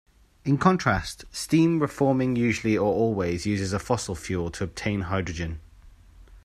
In contrast, steam reforming usually or always uses a fossil fuel to obtain hydrogen.